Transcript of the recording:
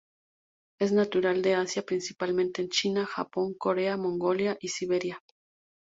Es natural de Asia principalmente en China, Japón, Corea, Mongolia y Siberia.